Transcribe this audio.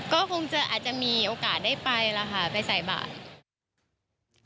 ก็คงจะอาจจะมีโอกาสได้ไปแล้วค่ะไปใส่บาท